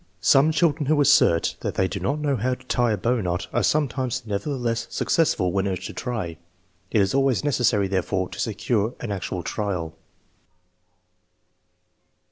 Some children who assert that they do not know how to tie a bow knot are sometimes nevertheless successful when urged to try. It is always necessary, therefore, to secure an actual trial.